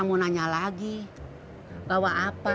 di sini aja